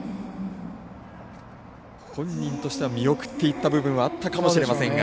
本人としては見送っていった部分はあったかもしれませんが。